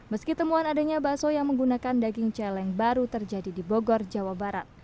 meski temuan adanya bakso yang menggunakan daging celeng baru terjadi di bogor jawa barat